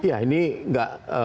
ya ini nggak